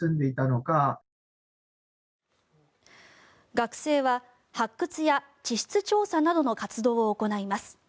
学生は発掘や地質調査などの活動を行います。